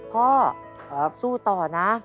พ่อสู้ต่อนะ